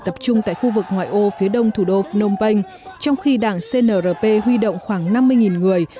tập trung tại khu vực ngoại ô phía đông thủ đô phnom penh trong khi đảng cnrp huy động khoảng năm mươi người